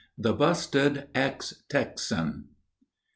THE BUSTED EX TEXAN.